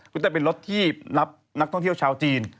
ก็จะเป็นรถที่รับนักท่องเที่ยวชาวจีน